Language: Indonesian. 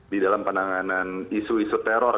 di dalam penanganan isu isu teror